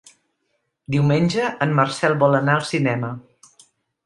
Diumenge en Marcel vol anar al cinema.